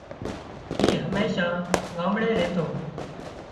اي هميشان ڳامڙي ريتو